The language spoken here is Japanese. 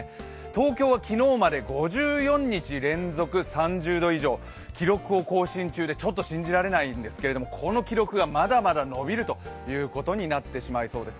東京は昨日まで５４日連続３０度以上、記録を更新中でちょっと信じられないんですけれどもこの記録がまだまだ伸びるということになってしまいそうです。